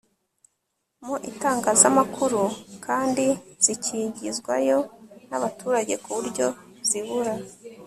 mu itangazamakuru kandi zikigizwayo n'abaturage ku buryo zibura